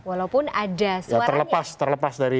walaupun ada suaranya